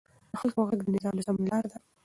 د خلکو غږ د نظام د سمون لار ده